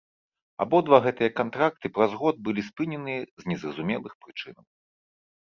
Абодва гэтыя кантракты праз год былі спыненыя з незразумелых прычынаў.